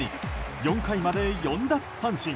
４回まで４奪三振。